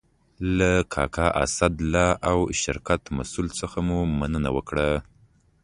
له کاکا اسدالله او شرکت مسئول څخه مو مننه وکړه.